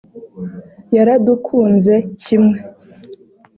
Yaradukunze kimwe